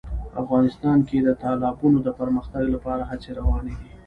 افغانستان کې د تالابونو د پرمختګ لپاره هڅې روانې دي.